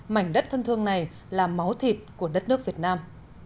mảnh đất thân thương này là máu thịt của đất nước việt nam